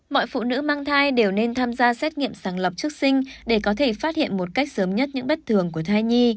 mọi phụ nữ mang thai đều nên tham gia xét nghiệm sàng lọc trước sinh để có thể phát hiện một cách sớm nhất những bất thường của thai nhi